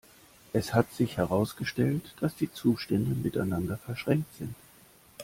Es hat sich herausgestellt, dass die Zustände miteinander verschränkt sind.